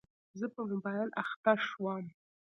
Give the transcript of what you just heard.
زه په موبایل اخته شوم.